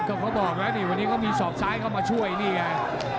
เขาบอกว่าวันนี้ก็มีสอบซ้ายเข้ามาช่วยนี่ไง